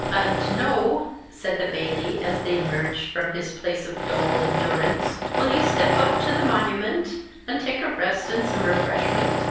"And noo," said the Bailie, as they emerged from his place of dole and durance, "will ye step up to the monument, and tak a rest and some refreshment?"